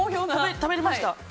食べれました。